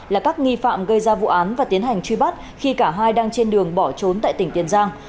là các nghi phạm gây ra vụ án và tiến hành truy bắt khi cả hai đang trên đường bỏ trốn tại tỉnh tiền giang